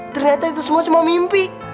ternyata itu semua cuma mimpi